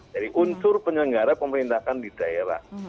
jadi unsur penyelenggara pemerintahan di daerah